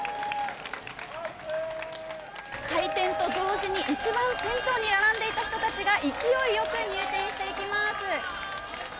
開店と同時に一番先頭に並んでいた人たちが勢いよく入店していきます。